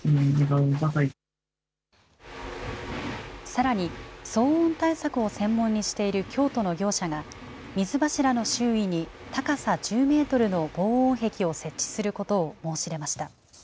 さらに、騒音対策を専門にしている京都の業者が、水柱の周囲に高さ１０メートルの防音壁を設置することを申し出ました。